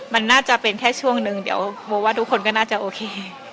มันน่าจะเป็นแค่ช่วงนึงเดี๋ยวโบว่าทุกคนก็น่าจะโอเค